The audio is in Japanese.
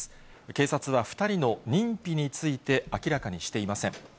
警察は、２人の認否について明らかにしていません。